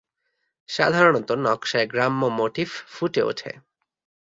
সাধারণত নকশায় গ্রাম্য মোটিফ ফুটে ওঠে।